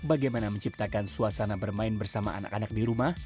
bagaimana menciptakan suasana bermain bersama anak anak di rumah